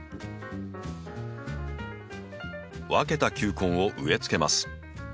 分けた球根を植えつけます。